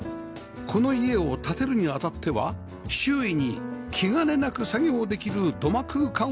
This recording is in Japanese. この家を建てるにあたっては周囲に気兼ねなく作業できる土間空間を希望したそうです